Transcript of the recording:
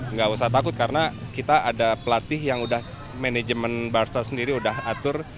nggak usah takut karena kita ada pelatih yang udah manajemen barca sendiri udah atur